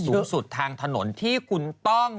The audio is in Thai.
สูงสุดทางถนนที่คุณต้อง